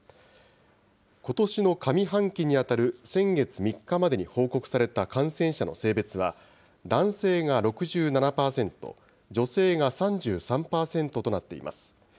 ことしの上半期に当たる先月３日までに報告された感染者の性別は、男性が６７％、女性が３３％となっています。